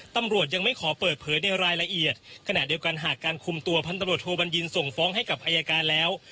ตำรวจยังไม่ขอเปิดเผยในรายละเอียดขณะเดียวกันหากการคุมตัวพันตำรวจโทบัญญินส่งฟ้องให้กับอายการแล้ว